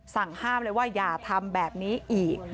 สั่งห้ามเลยว่าอย่าทำแบบนี้อีก